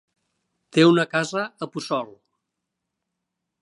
Té una casa a Puçol.